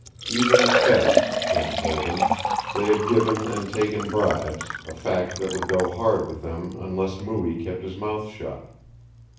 Even at best, Kent told him, they had given and taken bribes, a fact that would go hard with them unless Mooie kept his mouth shut.